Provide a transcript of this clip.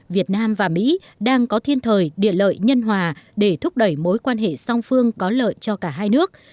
việt nam và mỹ đang có thiên thời địa lợi nhân hòa để thúc đẩy mối quan hệ song phương có lợi cho cả hai nước